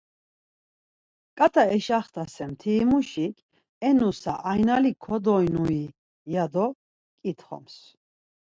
Ǩat̆a eşaxtasen mtirimuşik ‘e nusa aynalik kodoinui?’ ya do ǩitxoms.